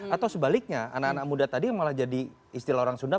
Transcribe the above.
atau sebaliknya anak anak muda tadi yang malah jadi istilah orang sunda